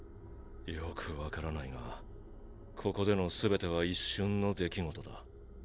よくわからないがここでのすべては一瞬の出来事だ。